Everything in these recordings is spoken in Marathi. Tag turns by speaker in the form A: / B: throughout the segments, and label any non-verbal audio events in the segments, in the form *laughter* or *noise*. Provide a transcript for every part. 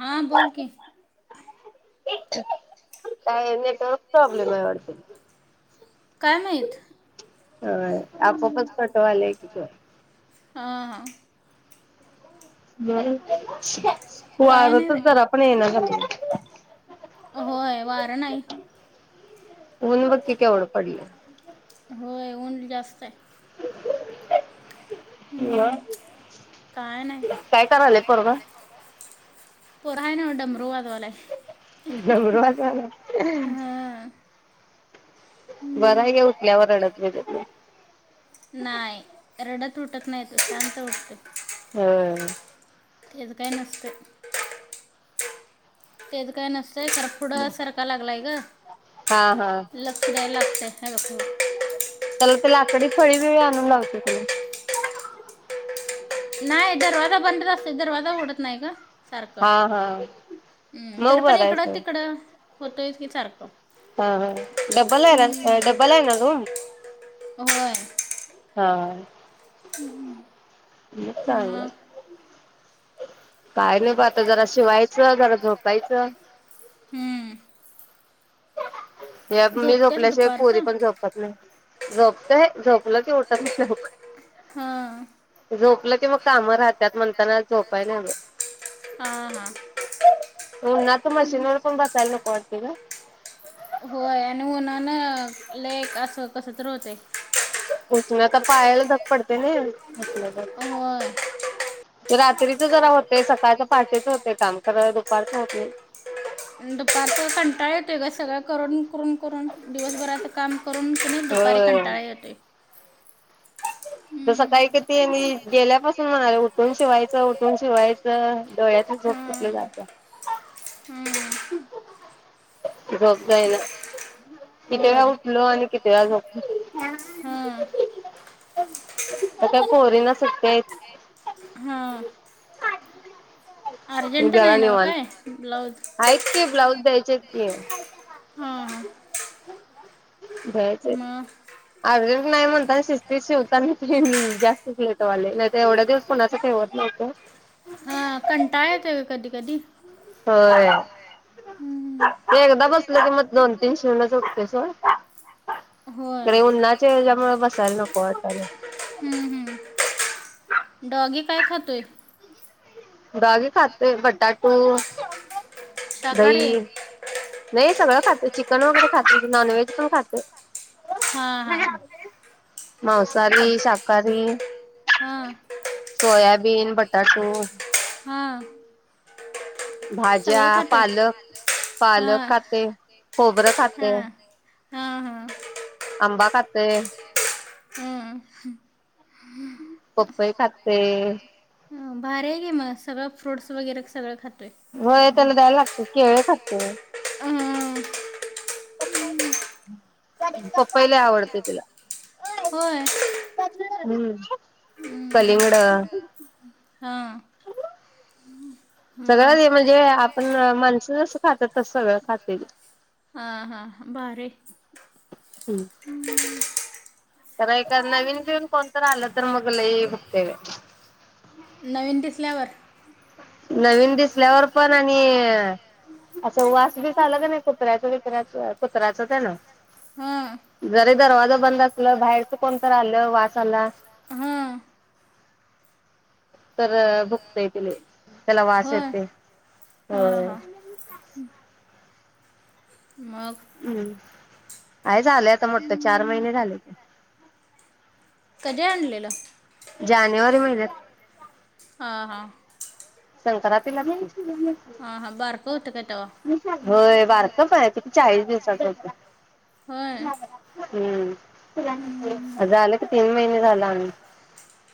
A: हा बोल की,
B: *unintelligible* काय नेट प्रॉब्लेम आहे वाडतय. होय, आपोआपच कट व्हायलय कि ग.
A: हां हां.
B: बरो *unintelligible* वारं तर जरापन येईना झालंय बग.
A: वार नाही.
B: ऊन बग की, केवढं पडलंय.
A: होय ऊन जास्तय.
B: ह काय करालय पोरग?
A: पुर हाय न डमरू वा
B: डमरू वाजवलंय. बरय की उठल्यावर रडत बिडत नाही.
A: नाय रडत उठत नाय तो शांत उठतोय.
B: होय.
A: तेज काय नसतय. तेज काय नस चय चरा पुढं सारकाय लागलाय ग लक्ष द्यायला लाग हॅलो *inaudible*
B: त्याला ती लाकडी फळी बिळी आणून लावशील क नाई
A: नाय दरवाजा बंदच असतोय दरवाजा उघडत नाय ग. सारखं हा हा हम्म तरी पण इकडं तिकडं होतोयच की सारखं
B: हा हा डबल आहे ना डबल आहे ना ग हा. मग चांगलय काय नाय ब आता जरा शिवायचं, जरा झोपायचं.
A: हम
B: या मी झोपल्याशिवाय पोरी पण झोपत नाहीत झोपतय. झोप झोपलं की उठत नाय लवकर झोपलं की मग काम राहत्यात म्हणताना झोपाय नाय बघ उन्हात मशीनवर पण बसायला नको वाटतय ग
A: होय आणि उन्हान लय असं कसं तरी होतंय.
B: उष्णता पायाला धक पडत्या नाइ *inaudible* रात्री जरा होतय सकाळच् पाहाटेच होतय काम खर दुपारच होत नाइ
A: दुपारच कंटाळ येतोय ग सगळं करून करून करून दिवसभराच काम करून किनय दुपारी कंटाळा येतोय.
B: सकाळी किती आणि गेल्यापासून म्हणालोय उठून शिवायचं, उठून शिवायचं, डोळ्यातली झोप कुठली जातीया. झोपताय ना किती वेळा उठलो आणि किती वेळा झोपलो.
A: *unintelligible* हा अर्जंट नाय न्हव काय ब्लाऊज
B: आहेत कि ब्लाऊज द्यायचेत की बह्याचे अर्जट नाय म्हणताना शिस्तीत शिवताना ते जास्तच लेट व्हायलय नाय तर एवढ्या दिवस कुणाच ठेवत नव्हतो. होय एकदा बसलं की मग दोन तीन शिवुणच ऊठते सोड ते उन्हाच्या ह्याज्यामुळे बसायला नको वाटायलय
A: खातोय
B: डॉगी खातोय बटाटे दही ते सगळं खातोय चिकन वगैरे खाते नॉन व्हेज पण खाते मांसाहारी शाख *unintelligible*
A: हा
B: बीन बटाटो
A: हां
B: भाज्या पालक पालक खातय खोबरं खातय आंबा खात ते पप्पय खातय
A: भारी आहे की म सगळं फ्रूट्स वगैरे सगळं खात
B: होय तेला द्यायला लाग केळ खातय
A: हूं
B: पपई लय आवडते तिला
A: होय.
B: हम्म कलिंगड सगळं म्हणजे आपण मानस जस खातात तस सगळं खातय.
A: हा हा भारी
B: तर ए नवीन बीवीन कोण तरी आलं तर मग लयी भुकतंय बय
A: नवीन दिसल्यावर
B: नवीन दिसल्यावर पण आणि असं वास बीस आला कनई कुत्र्याच बित्र्याच कुत्र्याच तेन
A: हा जरी दरवाजा बंद असला बाहेरच कोण तर आलं वास आला हा
B: तर भुकते ते लय त्याला वास येतय होय. हम्म काय झालंय आता मोठ चार महिने झाले की
A: कधी आणलेलं
B: जानेवारी महिन्यात
A: हा हा
B: संक्रांतीलाच की
A: हा हा बारक होत काय तवा
B: होय बारकच हाय किती चाळीस दिवसाच होत.
A: होय.
B: हूं *unintelligible*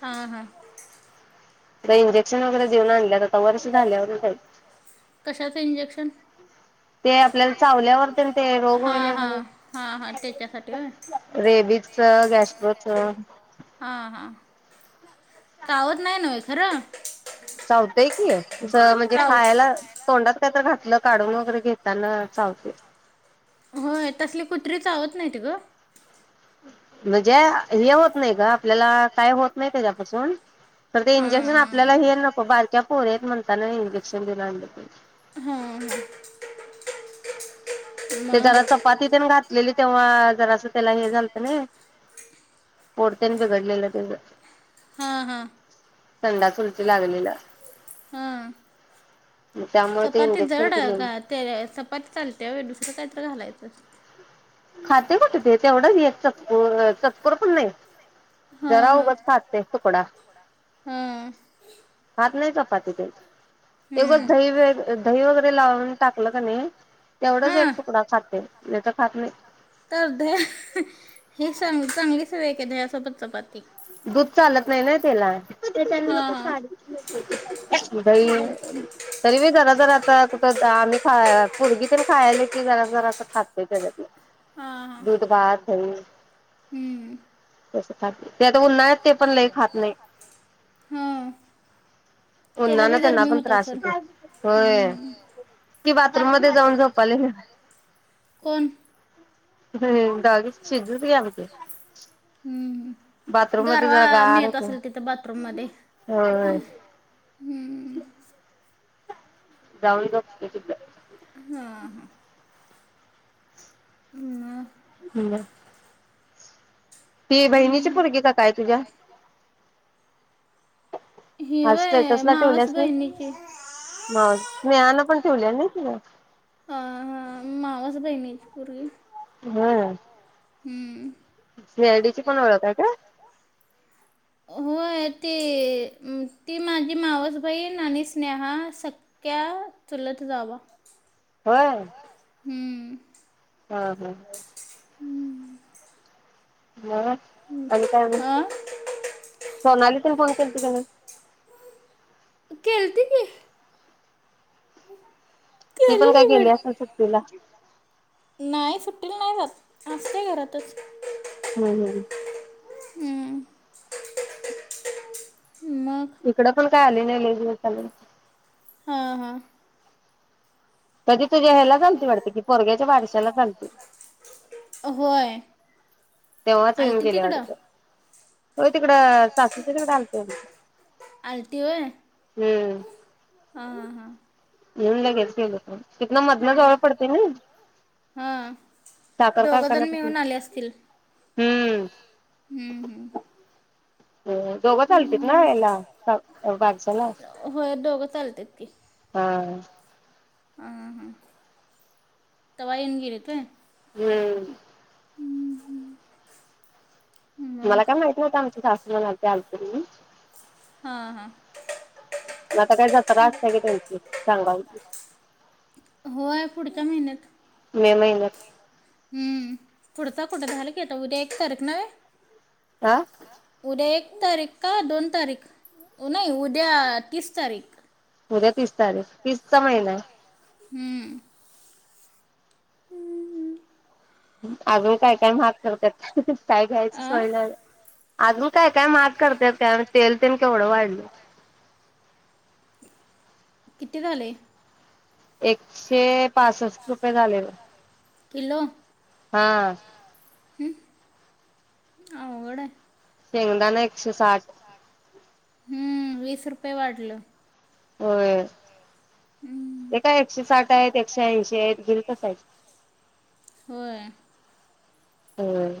A: हा, हा कशाच इंजेक्शन हा, हा, हा, हा त्याच्यासाठी होय हा ह चावत नाही नवहे खरं
B: चावतय कि जं म्हणजे खायला तोंडात काय तर घात तलं काढून वगैरे घेताना चावते
A: होय तसली कुत्री चावत नाहीत ग
B: म्हणजे हे होत नाही ग आपल्याला काय होत नाही त्याच्यापासून तर ते इंजेक्शन आपल्याला हे नको बारक्या पोरीत म्हणतान इंजेक्शन देऊन आणलंय. ते जरा चपाती तेन घातलेली तेव्हा जरास त्याला हे झालत ना पोट तेन बीगडलेला तेज संडास उलटी लागलेल
A: चपाती जड आहे का ते चपाती चाल त्या होय दुसरं काय घालायचं
B: खाते कुठ तेे तेवढं चतकोर चतकोर पण नाही जरा उगच खाते तुकडा. खात नाही चपाती ते उगच दही व दही वगैरे लावून टाकलं कनी तेवढंच एक तुकडा खाते नाही तर खात नाही.
A: तर दहीं ही चांगली सवय आहे की धयासोबत चपाती
B: दूध चालत नाही ना त्याला *unintelligible* दही तरी बी जरा जर आता कुठं आम्ही खा पोरगी तेण खायला की जरा जरा असं खातय त्याच्यात दूधभात दही त्यासेसाती
A: हं
B: उन्हा ना त्यांना पण त्रास होेतो होय कि बाथरूम मध्ये जाऊन झोपायली हम्म दग शिजत घे बाथरूम मध्ये जरा गार होते हो जाऊन झोपलय तीथ
A: म
B: बर ती बहिणीची पोर्गी का काय तुझ्या आज स्टेटसला ठेवल्यास काय मग स्नेहा न पण ठेवल्या नाही तिनं
A: आज बाई मी पूर्गी
B: होय
A: हम्म
B: सी आय डी ची पण ओळखाय काय?
A: होय ती ती माझी मावस बहीण आणि स्नेहा सख्या चुलत जावा
B: होय.
A: हम्म.
B: *unintelligible*
A: हम्म.
B: म आणि काय मग आणि सोनाली तेन फोन केलतीकनाय
A: केलंती की
B: ती पण काय गेली असेल सुट्टीला
A: नाही सुट्टीला नाही जात असते घरातच
B: हम्म हम्म
A: हम्म.
B: इकडं पण काय आली नाही लही दिवस झालं.
A: हा हां
B: कधी तुझ्या ह्यालाच आलती वाटत कि पोरग्याच्या बारशालाच आलती. तेव्हाच येऊन गेल्या वाटतं. हो तिकडं सासूच्या तिकड आलती वाटत हम्म येऊन लगेच गेली ती इथन मधन जवळ पडतय नाही साखर कारखान्यापासून हम्म अ दोघंच आलतीत ना हेला बारशाला हा
A: हा हा तवा येऊन गेलीत होय.
B: हम्म. मला काय माहिती नव्हत आमची सासू म्हणालती आल *unintelligible*
A: हा हा
B: म आता काय जत्रा असत्या की तुमची सांगाव ची मे महिन्यात
A: हम्म पुढचा कुठे झाल की उद्या एक तारीख नव्हे उद्या एक तारीख का दोन तारीख नाही उद्या तीस तारीख
B: उद्या तीस तारीख
A: हम्म
B: अजून काय? काय महाग करत्यात काय घ्यायचं सोय नाय बाय अजून काय काय महाग करत्यात काय माहित तेल तेन केवढं वाढलय.
A: किती झालय?
B: एकशे पासष्ट रुपय झालाय ब
A: किलो *unintelligible* अवगडाय.
B: शेंगदाण ए
A: शेंगदाणे एकशे साठ हम्म वीस रुपये वाढलं.
B: होय.
A: हम् ते काय एकशे साठयात, एकशे ऐंशीयात घिल तसंयत होय.
B: होय.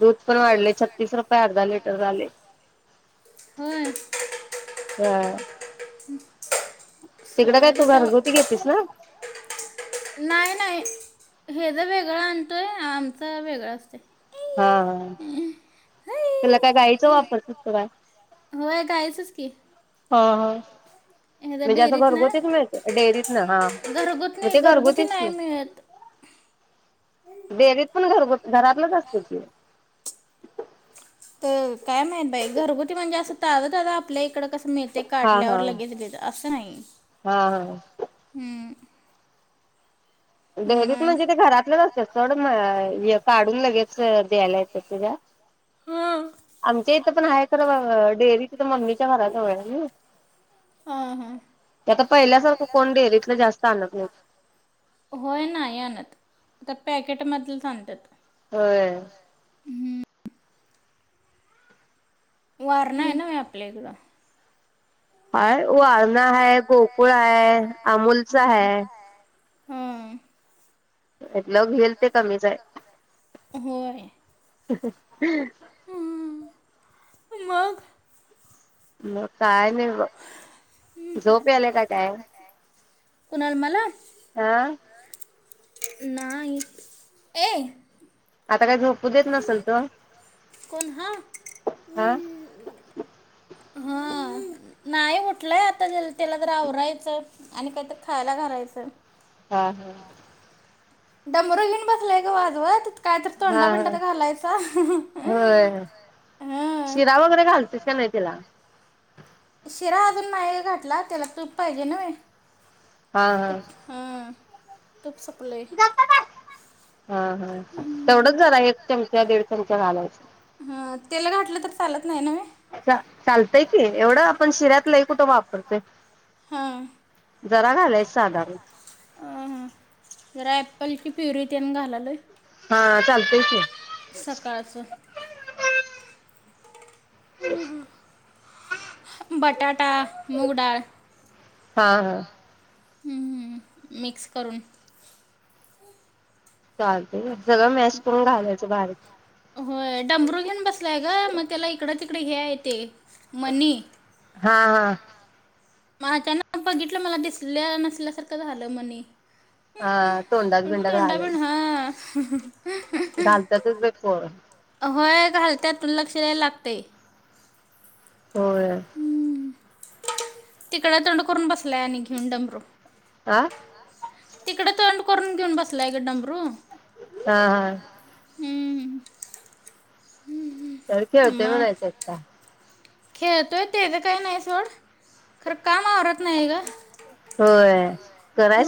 B: दूध पण वाढलय छत्तीस रुपये अर्धा लिटर झाले, हा तिकड काय तू घरगुती घेतीस ना.
A: नाही नाही हेज वेगळं आणतोय आमच वेगळं असतय.
B: हा तुला काय गाईचा वापरतस का काय? ह ह. म्हणजे अस घरगुतीच मिळतं डेअरीतनं हा हा मग ते घरगुतीच की, डेअरीत पण घरगुत घरातलच असते की. *inaudible*
A: काय माहीत बाई घरगुती म्हणजे असं ताज - ताज आपल्या इकड कस, मी ते काढल्यावर लगेच देत असं नाही. हम्म.
B: डेअरीत म्हणजे ते घरातलंच असतात सोड काढून लगेच द्यायला येतात त्याच्या आमच्या इथं पण आहे खर डेअरी तथ मम्मीच्या घराजवळय न. ते आता पहिल्यासारखं कोण डेअरीतलं जास्त आणत नाही.
A: होय नाही आनत आता पॅकेटमधलंच आणण्यात.
B: होय.
A: वारणाय नव आपल्या इकडं.
B: हाय वारणा हाय, गोकुळ हाय, अमोलचा हाय.
A: हम्म.
B: *unintelligible*
A: होय.
B: *unintelligible*
A: मग
B: *unintelligible* काय नाही ब झोप यायला का काय? आं
A: नाही. ए कोण हा? हा नाही उठलंय आता ज त्याला तर आवरायचं आणि काहीत खायला घालायचं.
B: हा हा.
A: डमरु घेऊन बसलाय गं वाजवत.
B: हा हा होय. शिरा वगैरे घालतेस का नाही तिला.
A: शिरा अजून नाही घाटला त्याला तूप पाहिजे नवे. तूप हा.
B: हा हा तेवढच जरा एक चमचा दीड चमचा घालायच चालतय कि एवढं आपण शिऱ्यात लय कुठं वापरतोय. जरा घालायच साधारण
A: जरा ॲपलची प्युरी तेन घालालोय.
B: हा चालतय की *inaudible*
A: बटाटा, मुग डाळ
B: हा हा
A: हम्म् हम मिक्स करून
B: चालतय
A: होय डंबरू घेऊन बसलाय ग मग त्याला इकड ती तीकड हे आय ते
B: हा हा *inaudible*
A: म अचानक बघितलं मला दिसल नसल्यासारखं झालं मनी
B: हा तोंडात बिंडात घालल.
A: *inaudible* होय घालत्यात. लक्ष द्यायला लागतय.
B: होय.
A: तिकड तोंड करून बसलाय आणि घेऊन डंबरू
B: आं
A: तिकडं तोंड करून घेऊन बसलाय ग डंबरू
B: आ
A: हम हम्म हम्म
B: तर खेळतोय म्हणायचं एकटा
A: खेळतोय तेज काही नाही सोड खरं काम आवरत नाही ग
B: होय करायच